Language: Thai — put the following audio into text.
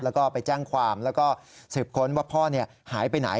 แล้วก็ไปแจ้งความแล้วก็สืบค้นว่าพ่อหายไปไหน